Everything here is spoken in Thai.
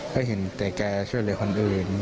เค้าเห็นแต่แกช่วยเลยคนอื่น